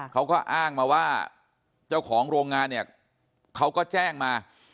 เขาก็อ้างมาว่าเจ้าของโรงงานเนี่ยเขาก็แจ้งมา